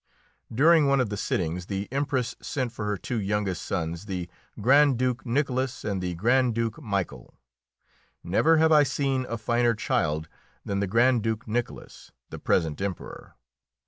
During one of the sittings the Empress sent for her two youngest sons, the Grand Duke Nicholas and the Grand Duke Michael. Never have I seen a finer child than the Grand Duke Nicholas, the present Emperor.